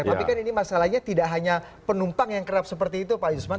tapi kan ini masalahnya tidak hanya penumpang yang kerap seperti itu pak yusman